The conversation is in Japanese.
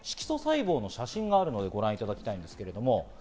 色素細胞の写真があるのでご覧いただきます。